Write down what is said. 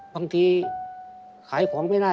บางทีขายของไม่ได้